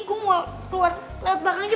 gue mau keluar lewat belakang aja